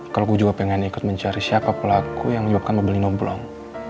kalau gue juga pengen ikut mencari siapa pelaku yang menyebabkan mobilnya nomblong